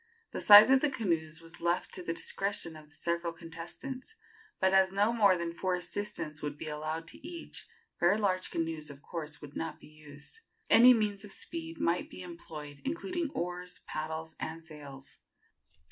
The size of the canoes was left to the discretion of the several contestants, but as no more than four assistants would be allowed to each, very large canoes, of course, would not be used. Any means of speed might be employed, including oars, paddles and sails.